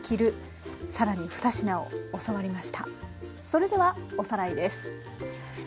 それではおさらいです。